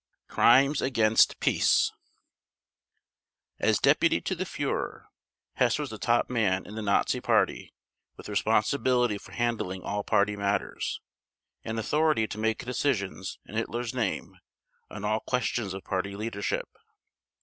Crimes against Peace As deputy to the Führer, Hess was the top man in the Nazi Party with responsibility for handling all Party matters, and authority to make decisions in Hitler's name on all questions of Party leadership.